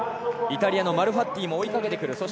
イタリアのマルファッティも追いかけてくる。